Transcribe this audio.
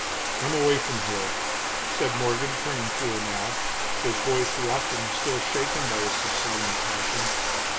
"Come away from here," said Morgan, turning to her now, his voice rough and still shaken by his subsiding passion.